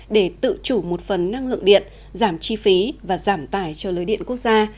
để tự chủ một phần năng lượng điện giảm chi phí và giảm tải cho lưới điện quốc gia